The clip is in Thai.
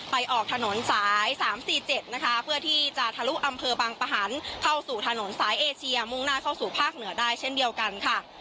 ออกถนนสาย๓๔๗นะคะเพื่อที่จะทะลุอำเภอบางปะหันเข้าสู่ถนนสายเอเชียมุ่งหน้าเข้าสู่ภาคเหนือได้เช่นเดียวกันค่ะ